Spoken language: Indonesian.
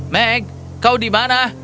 meg kau di mana